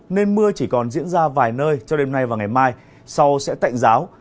nên mưa chỉ còn diễn ra vài nơi cho đêm nay và ngày mai sau sẽ tạnh giáo